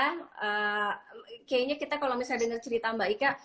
kayaknya kita kalau misalnya dengar cerita mbak ika